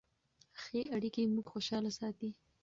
ښه اړیکې موږ خوشحاله ساتي.